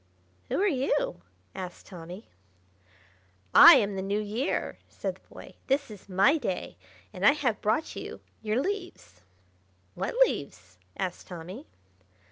"Who are you?" asked Tommy. "I am the New Year!" said the boy. "This is my day, and I have brought you your leaves." "What leaves?" asked Tommy.